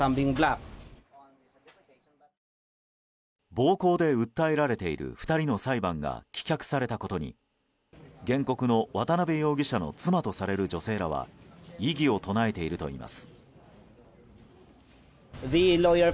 暴行で訴えられている２人の裁判が棄却されたことに原告の渡邉容疑者の妻とされる女性らは異議を唱えているといいます。